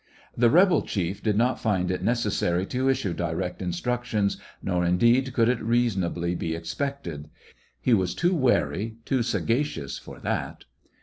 The rebel chief did not find it necessary to issue direct instructions, nor indeed could it reasonably be expected. He was too wary, too sagacious for that.